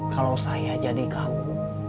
kalau saya jadi kamu